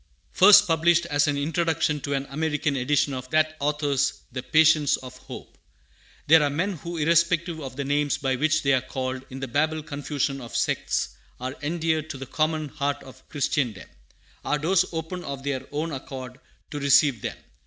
First published as an introduction to an American edition of that author's The Patience of Hope. THERE are men who, irrespective of the names by which they are called in the Babel confusion of sects, are endeared to the common heart of Christendom. Our doors open of their own accord to receive them.